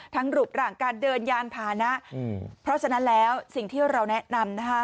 ทั้งหลุบหลังการเดินยานผ่านเพราะฉะนั้นแล้วสิ่งที่เราแนะนำ